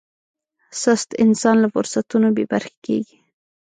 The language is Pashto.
سست انسان له فرصتونو بې برخې کېږي.